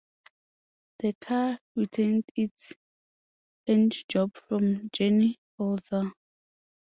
The car retained its paintjob from Jenny Holzer.